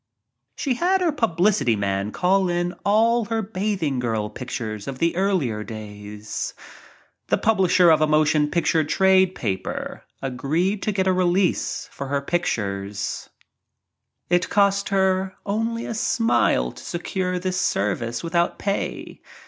She had her publicity man call in all her bathing girl pictures of the earlier days. The pub lisher of a motion picture trade paper agreed to get a release for her pictures— It cost her only a smile to secure this service without pay.